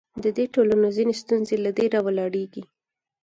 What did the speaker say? د دې ټولنو ځینې ستونزې له دې راولاړېږي.